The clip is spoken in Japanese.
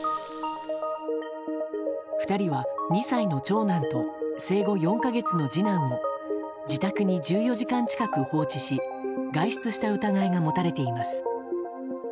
２人は、２歳の長男と生後４か月の次男を自宅に１４時間近く放置し外出した疑いが持たれています。